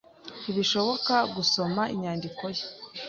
Ntibishoboka gusoma inyandiko ye.